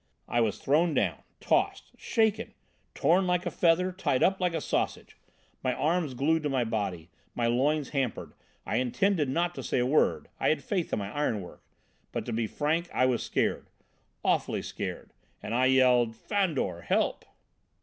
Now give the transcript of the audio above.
I was thrown down, tossed, shaken, torn like a feather, tied up like a sausage! "My arms glued to my body, my loins hampered. I intended not to say a word, I had faith in my iron work; but to be frank, I was scared, awfully scared. And I yelled: 'Fandor! Help!'